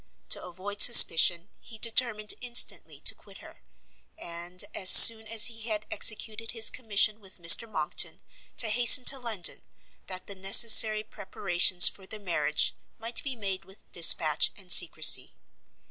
To avoid suspicion, he determined instantly to quit her, and, as soon as he had executed his commission with Mr Monckton, to hasten to London, that the necessary preparations for their marriage might be made with dispatch and secrecy.